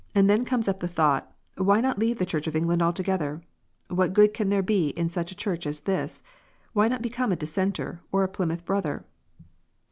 And then comes up the thought, "Why not leave the Church of England altogether? What good can there be in such a Church as this 1 Why not become a Dissenter or a Plymouth Brother